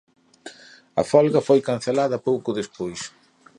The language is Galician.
A folga foi cancelada pouco despois.